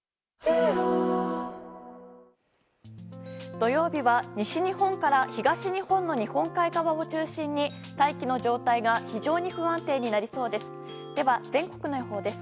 土曜日は西日本から東日本の日本海側を中心に大気の状態が非常に不安定になりそうです。